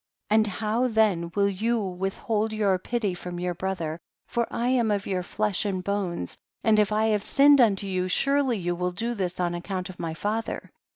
And how then will you with hold your pity from your brother, for I am of your flesh and bones, and if I have sinned unto you, surely you will do this on account of my father!